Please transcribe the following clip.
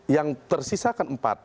yang tersisakan empat